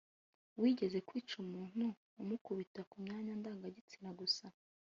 wigeze kwica umuntu amukubita ku myanya ndangagitsina gusa